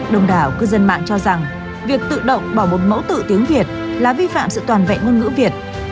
đồng đảo cư dân mạng cho rằng việc tự động bỏ một mẫu tự tiếng việt là vi phạm sự toàn vẹn ngôn ngữ việt